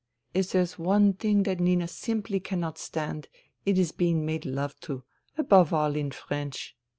" If there's one thing that Nina simply cannot stand, it is being made love to ... above all in French